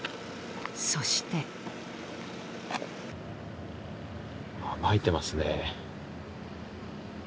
そしてまいていますね。